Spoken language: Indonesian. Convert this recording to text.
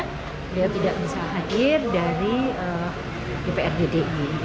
dia tidak bisa hadir dari dprd d i e